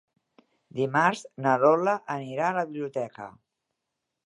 Dimarts na Lola anirà a la biblioteca.